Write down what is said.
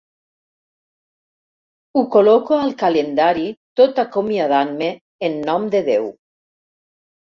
Ho col·loco al calendari tot acomiadant-me en nom de Déu.